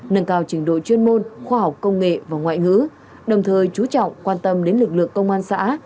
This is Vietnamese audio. nâng cao trình độ chuyên môn khoa học công nghệ và ngoại ngữ đồng thời chú trọng quan tâm đến lực lượng công an xã